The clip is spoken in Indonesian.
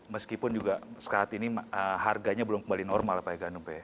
meskipun juga sekaat ini harganya belum kembali normal pak eganumpe